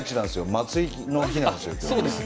松井の日なんですよ。